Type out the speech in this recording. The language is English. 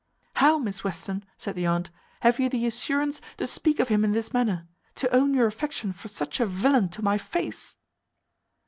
"How, Miss Western!" said the aunt, "have you the assurance to speak of him in this manner; to own your affection for such a villain to my face?"